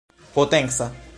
potenca